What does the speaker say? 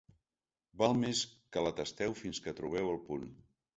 Val més que la tasteu fins que trobeu el punt.